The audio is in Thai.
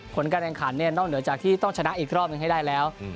ผลการแข่งขันเนี่ยนอกเหนือจากที่ต้องชนะอีกรอบหนึ่งให้ได้แล้ว